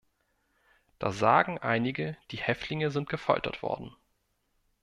Da sagen einige, die Häftlinge sind gefoltert worden.